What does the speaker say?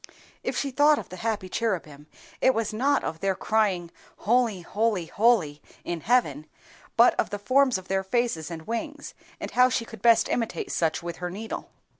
If she thought of the happy cherubim, it was not of their crying "Holy, holy, holy!" in heaven, but of the forms of their faces and wings, and how she could best imitate such with her needle.